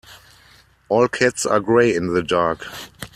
All cats are grey in the dark.